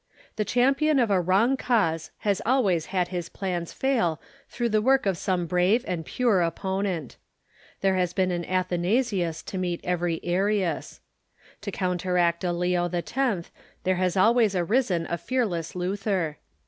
The champion of a Avrong cause has always had his plans fail through the work of some brave and pure opponent. There has been an Athanasius to meet every Arins. To coun teract a Leo X. there has always arisen a fearless Luther.